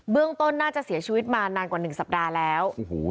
ต้นน่าจะเสียชีวิตมานานกว่า๑สัปดาห์แล้ว